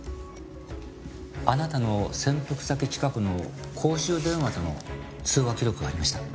あなたの潜伏先近くの公衆電話との通話記録がありました。